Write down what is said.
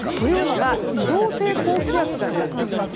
移動性高気圧がやってきます。